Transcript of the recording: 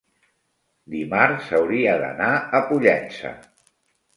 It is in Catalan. Dimarts hauria d'anar a Pollença.